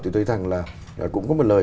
thì tôi thấy rằng là cũng có một lời